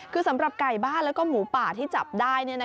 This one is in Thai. คือสำหรับไก่บ้านแล้วก็หมูป่าที่จับได้